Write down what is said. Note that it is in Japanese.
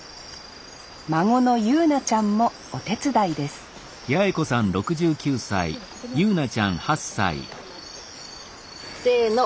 孫の侑奈ちゃんもお手伝いですせの。